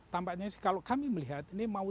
tampaknya sih kalau kami melihat ini mau